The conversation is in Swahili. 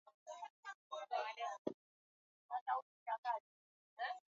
ili virutubishi visipotee chemsha na maganda